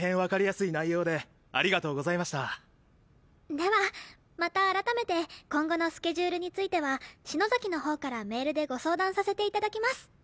ではまた改めて今後のスケジュールについては篠崎のほうからメールでご相談させて頂きます。